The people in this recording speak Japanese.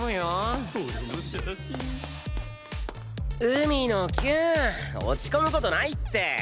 海野キュン落ち込む事ないって。